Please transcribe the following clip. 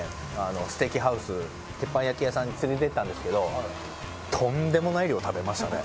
ステーキハウス鉄板焼き屋さんに連れていったんですけどとんでもない量食べましたね。